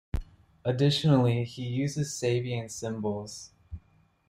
Additionally, he uses Sabian cymbals.